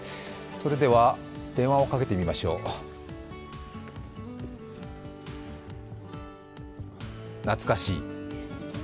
それでは、電話をかけてみましょう懐かしい。